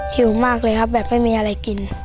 หิวมากเลยครับแบบไม่มีอะไรกิน